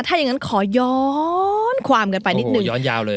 ถ้าอย่างนั้นขอย้อนความกันไปนิดนึงย้อนยาวเลย